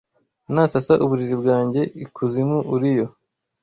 Nasasa uburiri bwanjye ikuzimu uri yo.